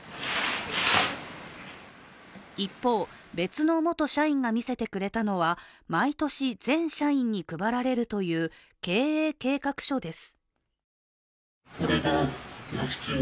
一方、別の元社員が見せてくれたのは毎年、全社員に配られるという経営計画書です。